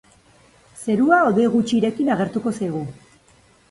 Zerua hodei gutxirekin agertuko zaigu.